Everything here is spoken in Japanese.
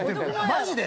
マジで？